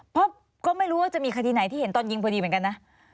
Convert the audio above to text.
เพราะก็ไม่รู้ว่าจะมีคดีไหนที่เห็นตอนยิงพอดีเหมือนกันนะ